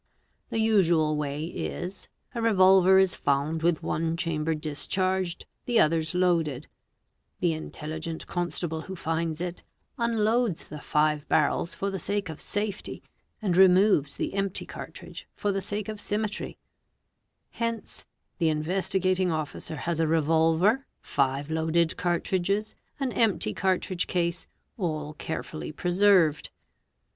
The usual way is,—a revolver is found with one chamber discharged, the others loaded ; the intelligent constable who finds it, unloads the five barrels for the sake o: safety, and removes the empty cartridge for the sake of symmetry ; neni the Investigating Officer has a revolver, five loaded cartridges, an empty | cartridge case, all carefully preserved.